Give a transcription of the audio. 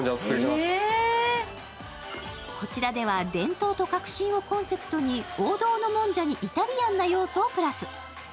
こちらでは伝統と革新をコンセプトに王道のもんじゃにイタリアンをプラス。